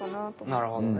なるほどね。